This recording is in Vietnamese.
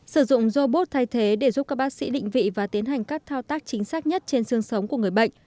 sử dụng robot thay thế để giúp các bác sĩ định vị và tiến hành các thao tác chính xác nhất trên xương sống của người bệnh